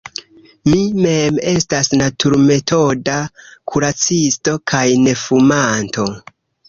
Mi mem estas naturmetoda kuracisto kaj nefumanto.